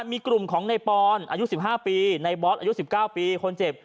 มีกลุ่มของในปอนอายุ๑๕ปีในบอสอายุ๑๙ปีคนเจ็บ